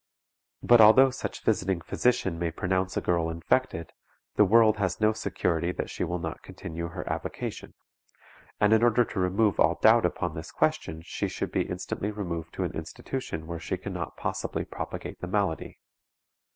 But although such visiting physician may pronounce a girl infected, the world has no security that she will not continue her avocation; and in order to remove all doubt upon this question she should be instantly removed to an institution where she can not possibly propagate the malady.